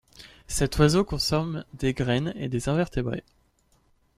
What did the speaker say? Cet oiseau consomme des graines et des invertébrés.